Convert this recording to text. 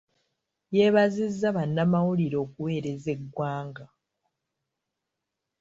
Yeebazizza bannamawulire okuweereza eggwanga.